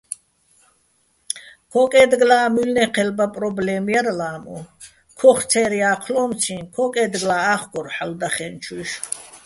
ქო́კეჲდგლა́ მუჲლნე́ჴელბა პრო́ბლემ ჲარ ლა́მუ, ქოხ ცერ ჲა́ჴლო́მციჼ ქო́კეჲდგლა́ ა́ხკორ ჰ̦ალო̆ დახენჩუჲშვ.